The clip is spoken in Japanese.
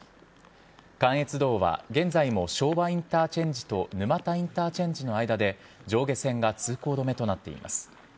関越道は現在も昭和インターチェンジと沼田インターチェンジの間で、上下線が通行止めとなっています。